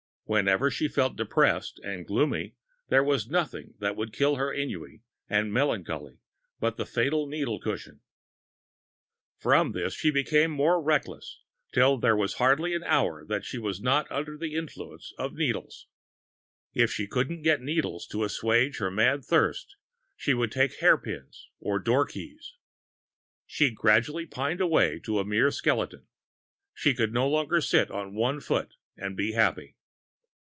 Whenever she felt depressed and gloomy, there was nothing that would kill her ennui and melancholy but the fatal needle cushion. From this she rapidly became more reckless, till there was hardly an hour that she was not under the influence of needles. If she couldn't get needles to assuage her mad thirst, she would take hairpins or door keys. She gradually pined away to a mere skeleton. She could no longer sit on one foot and be happy.